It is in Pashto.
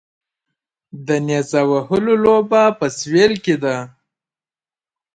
د نیزه وهلو لوبه په سویل کې ده